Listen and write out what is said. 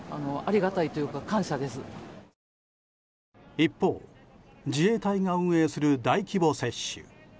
一方、自衛隊が運営する大規模接種。